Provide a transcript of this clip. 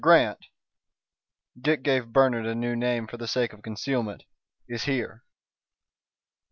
Grant" Dick gave Bernard a new name for the sake of concealment "is here."